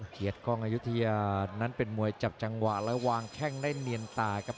เกียรติกล้องอายุทยานั้นเป็นมวยจับจังหวะและวางแข้งได้เนียนตาครับ